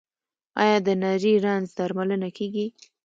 آیا د نري رنځ درملنه کیږي؟